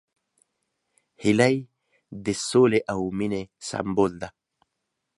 هیلۍ د سولې او مینې سمبول ده